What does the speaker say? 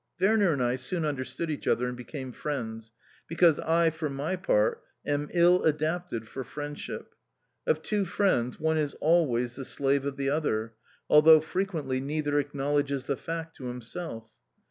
Werner and I soon understood each other and became friends, because I, for my part, am illadapted for friendship. Of two friends, one is always the slave of the other, although frequently neither acknowledges the fact to himself.